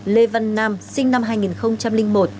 lê văn nam sinh năm hai nghìn một